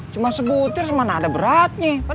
cuma sebutir mana ada beratnya